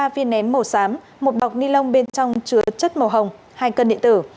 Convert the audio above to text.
ba viên nén màu xám một bọc nilon bên trong chứa chất màu hồng hai cân điện tử